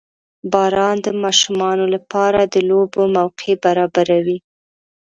• باران د ماشومانو لپاره د لوبو موقع برابروي.